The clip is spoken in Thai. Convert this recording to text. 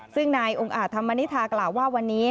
ซึ่งนายองค์อาจธรรมนิษฐากล่าวว่าวันนี้